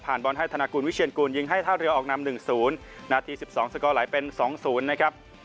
บอลให้ธนากุลวิเชียนกูลยิงให้ท่าเรือออกนำ๑๐นาที๑๒สกอร์ไหลเป็น๒๐นะครับ